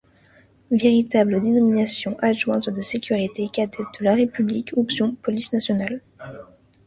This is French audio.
Véritable dénomination, Adjoint de Sécurité - Cadet de la République, Option: Police Nationale.